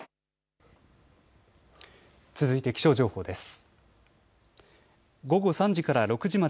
続いて気象情報です。